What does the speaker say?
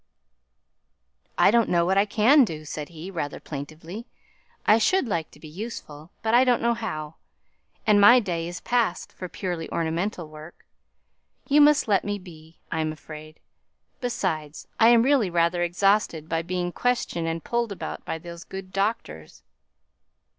"I don't know what I can do," said he, rather plaintively. "I should like to be useful, but I don't know how; and my day is past for purely ornamental work. You must let me be, I'm afraid. Besides, I'm really rather exhausted by being questioned and pulled about by those good doctors."